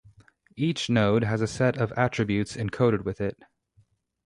Each node has a set of attributes encoded with it.